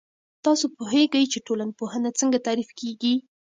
تاسو پوهیږئ چې ټولنپوهنه څنګه تعريف کیږي؟